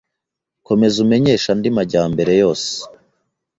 Komeza umenyeshe andi majyambere yose.